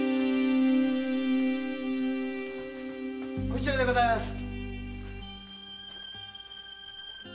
こちらでございます。